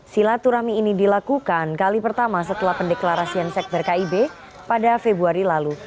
silaturahmi ini dilakukan kali pertama setelah pendeklarasian sekber kib pada februari lalu